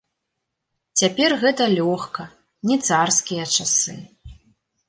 Цяпер гэта лёгка, не царскія часы.